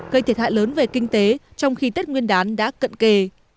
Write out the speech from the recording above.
gây thiệt hại lớn về kinh tế trong khi tết nguyên đán đã cận kề